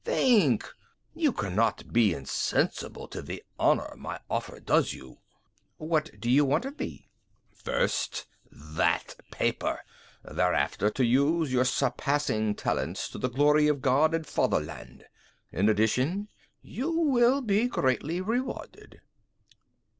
Think: you cannot be insensible to the honour my offer does you." "What do you want of me?" "First, that paper thereafter to use your surpassing talents to the glory of God and Fatherland. In addition, you will be greatly rewarded."